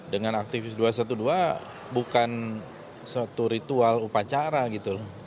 dengan aktivis dua ratus dua belas bukan suatu ritual upacara gitu loh